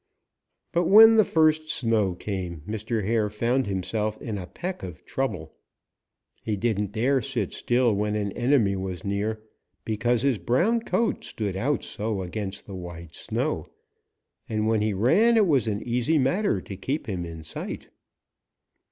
But when the first snow came, Mr. Hare found himself in a peck of trouble. He didn't dare sit still when an enemy was near, because his brown coat stood out so against the white snow, and when he ran it was an easy matter to keep him in sight.